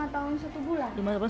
lima tahun satu bulan